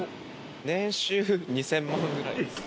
年収２０００万ぐらいです。